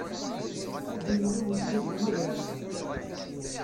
Ad d-imɣi wejgu deg umagraman!